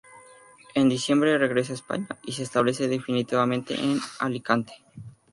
En diciembre regresa a España y se establece definitivamente en Alicante.